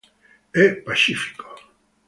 È pacifico.